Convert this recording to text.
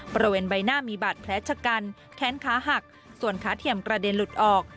บริเวณใบหน้ามีบาดแผลชะกันแค้นขาหักส่วนขาเทียมกระเด็นหลุดออก